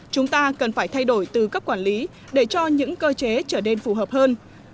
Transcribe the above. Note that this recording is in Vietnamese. chúng ta cần phải thay đổi từ cấp quản lý để cho những cơ chế trở nên phù hợp hơn